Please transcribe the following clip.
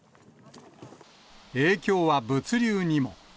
影響は物流にも。